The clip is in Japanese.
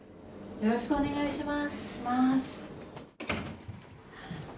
よろしくお願いします。